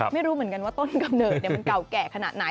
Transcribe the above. ไม่รู้เหมือนกันว่าต้นกำเนิดมันเก่าแก่ขนาดไหน